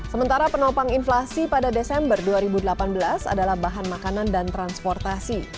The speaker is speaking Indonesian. sementara penopang inflasi pada desember dua ribu delapan belas adalah bahan makanan dan transportasi